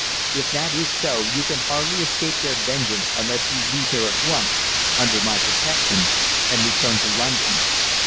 If that is so, you can hardly escape their vengeance unless you leave here at once, under my protection, and return to London.